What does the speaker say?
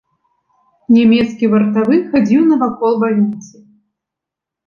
Нямецкі вартавы хадзіў навакол бальніцы.